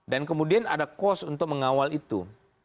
dan kemudian ada cost untuk mengawal itu